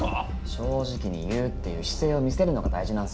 正直に言うっていう姿勢を見せるのが大事なんすよ。